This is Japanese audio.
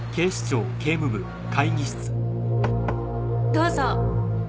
どうぞ。